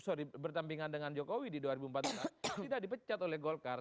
sorry bertampingan dengan jokowi di dua ribu empat belas tidak dipecat oleh golkar